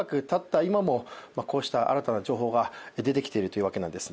今も、こうした新たな情報が出てきているというわけなんですね。